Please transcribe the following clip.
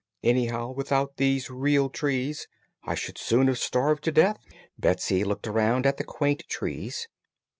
Anyhow, without these real trees I should soon have starved to death." Betsy looked around at the quaint trees.